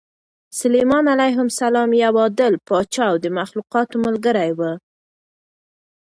سلیمان علیه السلام یو عادل پاچا او د مخلوقاتو ملګری و.